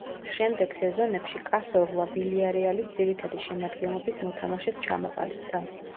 შემდეგ სეზონებში კასორლა „ვილიარეალის“ ძირითადი შემადგენლობის მოთამაშედ ჩამოყალიბდა.